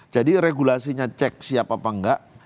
jadi regulasinya cek siapa apa enggak